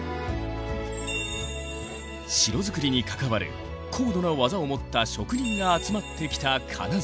城づくりに関わる高度な技を持った職人が集まってきた金沢。